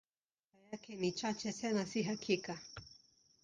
Habari za maisha yake ni chache, tena si za hakika.